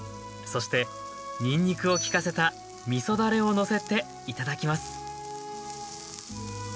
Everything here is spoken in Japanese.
そしてにんにくをきかせたみそだれをのせて頂きます